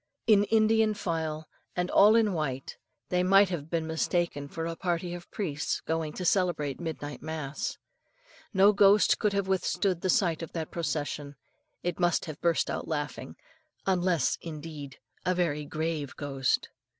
In Indian file, and all in white, they might have been mistaken for a party of priests going to celebrate midnight mass. No ghost could have withstood the sight of that procession. It must have burst out laughing, unless, indeed, a very grave ghost.